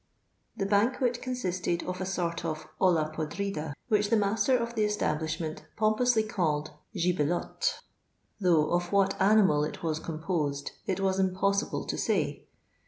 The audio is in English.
The banquet consisted of a sort of oHa podnda, which the master of the establish ment pompously called gihtlottff though of what animal it was composed it was impossible to say.